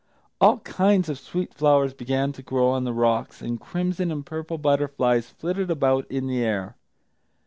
All kinds of sweet flowers began to grow on the rocks, and crimson and purple butterflies flitted about in the air.